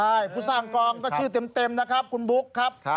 ใช่ผู้สร้างกองก็ชื่อเต็มนะครับคุณบุ๊คครับ